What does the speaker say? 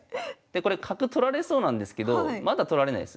これ角取られそうなんですけどまだ取られないです。